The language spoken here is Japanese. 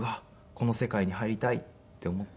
この世界に入りたいって思って。